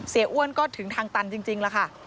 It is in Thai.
เสียอ้วนก็ถึงทางตันจริงละค่ะ